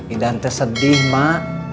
idan teh sedih mak